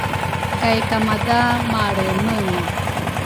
kay kamadha malemenga.